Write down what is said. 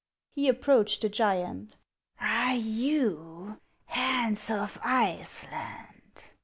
He approached the giant. " Are you Hans of Iceland